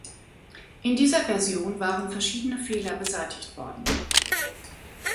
In dieser Version waren verschiedene Fehler beseitigt worden.